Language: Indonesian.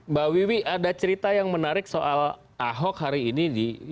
mbak wiwi ada cerita yang menarik soal ahok hari ini